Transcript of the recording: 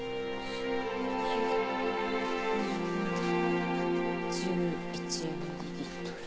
醤油１１ミリリットル。